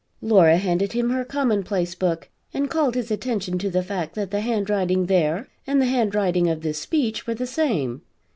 Laura handed him her commonplace book and called his attention to the fact that the handwriting there and the handwriting of this speech were the same.